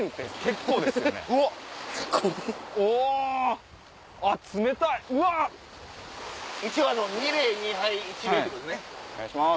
お願いします。